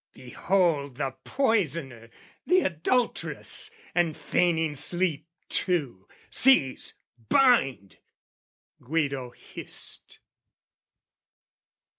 "Behold the poisoner, the adulteress, " And feigning sleep too! Seize, bind!" Guido hissed.